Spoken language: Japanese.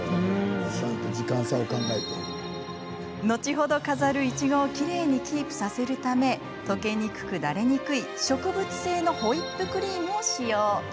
後ほど飾るいちごをきれいにキープさせるため溶けにくくダレにくい植物性のホイップクリームを使用。